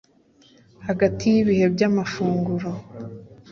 hagati yibihe bya mafunguro